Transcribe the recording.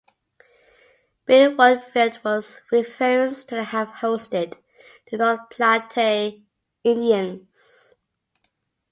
Bill Wood Field was referenced to have hosted the North Platte Indians.